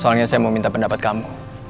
soalnya saya mau minta pendapat kamu